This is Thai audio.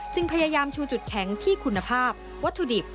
พยายามชูจุดแข็งที่คุณภาพวัตถุดิบ